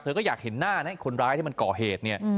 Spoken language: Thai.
ก็อยากเห็นหน้านะคนร้ายที่มันก่อเหตุเนี่ย